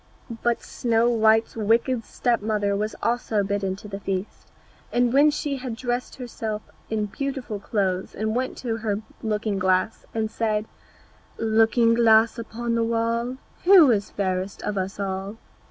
But Snow white's wicked step mother was also bidden to the feast, and when she had dressed herself in beautiful clothes she went to her looking glass and said, "Looking glass upon the wall, Who is fairest of us all?"